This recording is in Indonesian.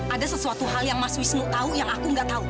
ada sesuatu hal yang mas wisnu tahu yang aku nggak tahu